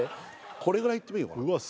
これぐらいいってみようかなうわ